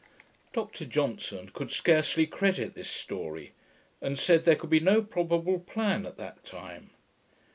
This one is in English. Dr Johnson could scarcely credit this story, and said, there could be no probable plan at that time.